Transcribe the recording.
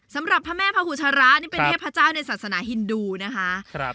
สำหรับพระแม่พระหูชระนี่เป็นเทพเจ้าในศาสนาฮินดูนะคะ